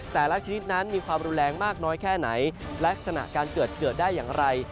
แต่ละชนิดนั้นมีความรุนแรงมากน้อยแค่ไหนลักษณะการเกิดเกิดได้อย่างไร